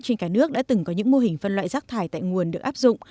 trên cả nước đã từng có những mô hình phân loại rác thải tại nguồn được áp dụng